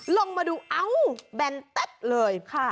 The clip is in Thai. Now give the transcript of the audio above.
ลงมาดูแบนแต๊ะเลย